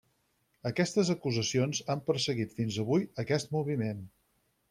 Aquestes acusacions han perseguit fins avui aquest moviment.